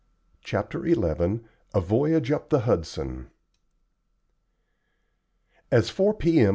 CHAPTER XI A VOYAGE UP THE HUDSON As four P.M.